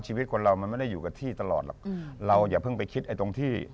ชีวิตคนเรามันไม่ได้อยู่กับที่ตลอดหรอกเราอย่าเพิ่งไปคิดไอ้ตรงที่